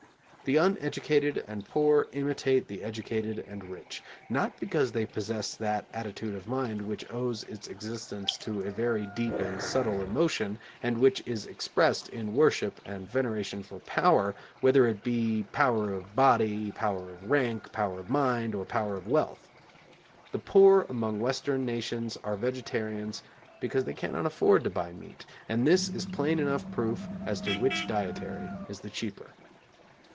The uneducated and poor imitate the educated and rich, not because they possess that attitude of mind which owes its existence to a very deep and subtle emotion and which is expressed in worship and veneration for power, whether it be power of body, power of rank, power of mind, or power of wealth. The poor among Western nations are vegetarians because they cannot afford to buy meat, and this is plain enough proof as to which dietary is the cheaper.